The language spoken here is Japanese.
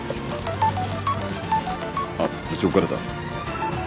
あっ部長からだ。